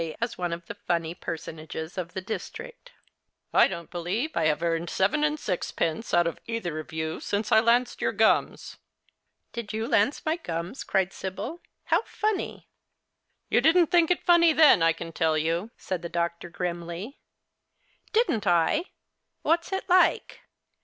as one of the funny personages of the district. " I don't believe I have earned seven and sixpence out of either of you since I lanced your gums." " Did you lance my gums ?" cried Sibyl. " How funny !"" You didn't think it funny then, I can tell you," said the doctor, grimly. "Didn't I? What's it like?